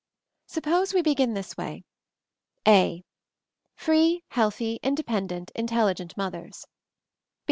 Suppose we begin this way: 'a. Free, healthy, independent, intelligent mothers.